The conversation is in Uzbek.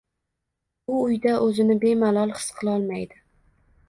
U uyda o`zini bemalol his qilolmaydi